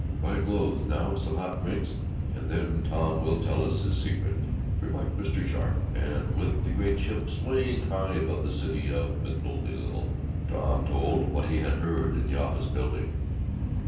"Dry clothes now, some hot drinks, and then Tom will tell us his secret," remarked Mr. Sharp, and, with the great ship swaying high above the city of Middleville Tom told what he had heard in the office building.